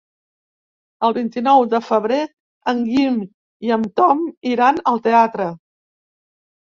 El vint-i-nou de febrer en Guim i en Tom iran al teatre.